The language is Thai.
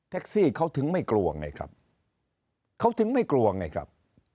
ซี่เขาถึงไม่กลัวไงครับเขาถึงไม่กลัวไงครับ